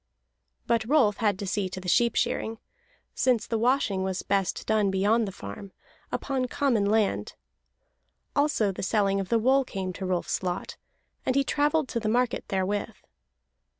But Rolf had to see to the sheep shearing, since the washing was best done beyond the farm, upon common land. Also the selling of the wool came to Rolf's lot, and he travelled to the market therewith.